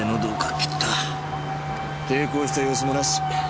抵抗した様子もなし。